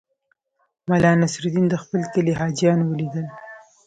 ملا نصرالدین د خپل کلي حاجیان ولیدل.